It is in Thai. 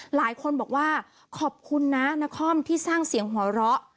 หลายคนบอกว่าขอบคุณนะนครที่สร้างเสียงหัวเราะ